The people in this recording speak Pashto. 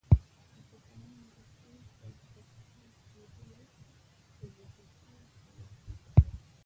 د پخوانۍ روسیې تر تجزیه کېدو وروسته ازبکستان خپلواکي ترلاسه کړه.